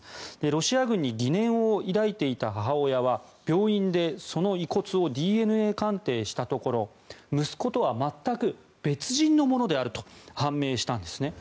ロシア軍に疑念を抱いていた母親は病院でその遺骨をＤＮＡ鑑定したところ息子とは全く別人のものであると判明したんですね。